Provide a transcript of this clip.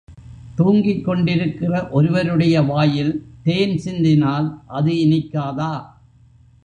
தூங்கிக் கொண்டிருக்கிற ஒருவருடைய வாயில் தேன் சிந்தினால் அது இனிக்காதா?